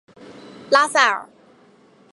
拉塞尔。